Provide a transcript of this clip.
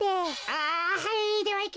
ああはい。